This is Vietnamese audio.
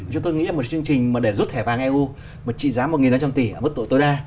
chúng tôi nghĩ là một chương trình để rút thẻ vàng eu mà trị giá một năm trăm linh tỷ là mức độ tối đa